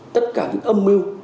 tất cả những âm mưu